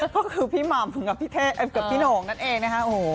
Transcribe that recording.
เพราะคือพี่หม่ำกับพี่เทศกับพี่หน่องนั่นเองนะฮะ